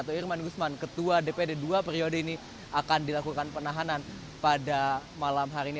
atau irman gusman ketua dpd dua periode ini akan dilakukan penahanan pada malam hari ini